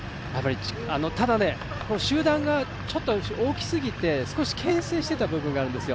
ただ、集団がちょっと大きすぎて少しけん制してた部分があるんですよ。